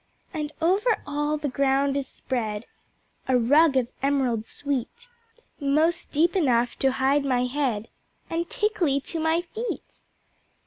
And over all the Ground is spread A Rug of Emerald sweet, Most deep enough to hide my head And tickly to my feet.